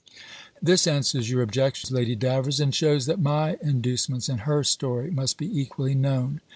This answers your objection, Lady Davers, and shews that my inducements and her story must be equally known.